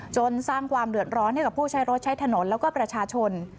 สร้างความเดือดร้อนให้กับผู้ใช้รถใช้ถนนแล้วก็ประชาชน